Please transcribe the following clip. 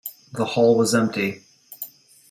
The hall was empty.